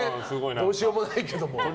どうしようもないけども。